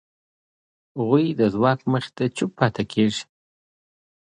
هغوی د ځواک مخې ته چوپ پاتې کېږي.